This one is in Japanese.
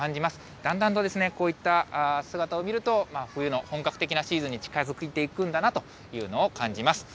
だんだんとですね、こういった姿を見ると、冬の本格的なシーズンに近づいていくんだなというのを感じます。